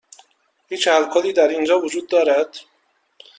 هیچ الکلی در این وجود دارد؟